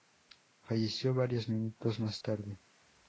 Falleció varios minutos más tarde.